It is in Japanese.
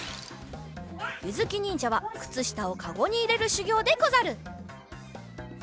ゆづきにんじゃはくつしたをかごにいれるしゅぎょうでござる。